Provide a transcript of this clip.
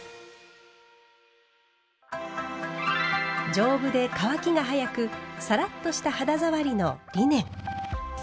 丈夫で乾きが早くサラッとした肌触りのリネン。